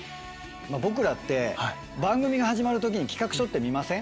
僕らって番組が始まる時に企画書って見ません？